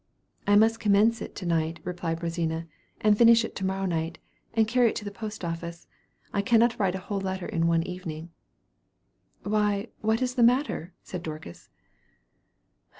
"I must commence it to night," replied Rosina, "and finish it to morrow night, and carry it to the post office. I cannot write a whole letter in one evening." "Why, what is the matter?" said Dorcas.